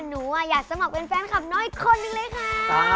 หนูอยากสมัครเป็นแฟนคลับน้อยคนหนึ่งเลยค่ะ